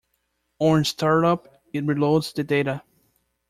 On startup it reloads the data.